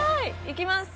いきます。